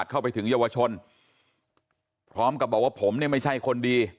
เข้าไปถึงเยาวชนพร้อมกับบอกว่าผมเนี่ยไม่ใช่คนดี